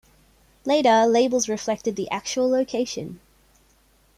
Later labels reflected the actual location.